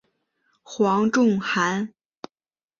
黄仲涵。